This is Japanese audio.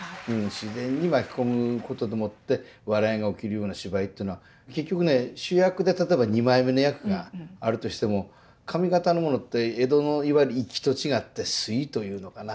自然に巻き込むことでもって笑いが起きるような芝居っていうのは結局ね主役で例えば二枚目の役があるとしても上方のものって江戸のいわゆる粋と違って粋というのかな